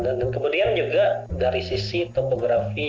dan kemudian juga dari sisi topografi